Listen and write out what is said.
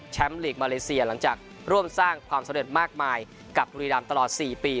ลีกมาเลเซียหลังจากร่วมสร้างความสำเร็จมากมายกับบุรีรำตลอด๔ปี